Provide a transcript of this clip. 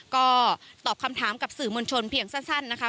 ก็ตอบคำถามกับสื่อมวลชนเพียงสั้นนะคะ